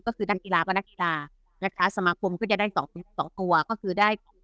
ก็คือนักกีฬาก็นักกีฬานะคะสมาคมก็จะได้สองสองตัวก็คือได้ของ